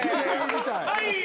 はい！